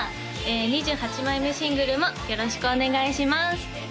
２８枚目シングルもよろしくお願いします